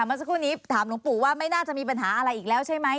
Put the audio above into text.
เมื่อสักครู่นี้ถามหลวงปู่ว่าไม่น่าจะมีปัญหาอะไรอีกแล้วใช่ไหม